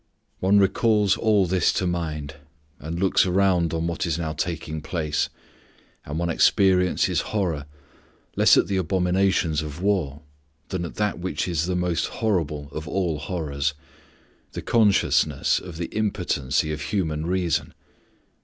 One recalls all this to mind and looks around on what is now taking place, and one experiences horror less at the abominations of war than at that which is the most horrible of all horrors the consciousness of the impotency of human reason.